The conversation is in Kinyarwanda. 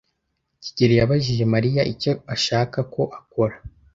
kigeli yabajije Mariya icyo ashaka ko akora.